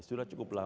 sudah cukup lama